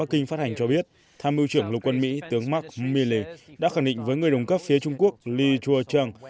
bắc kinh phát hành cho biết tham mưu trưởng lục quân mỹ tướng mark milley đã khẳng định với người đồng cấp phía trung quốc li chua chang